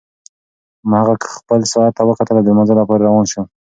هغه خپل ساعت ته وکتل او د لمانځه لپاره روان شو.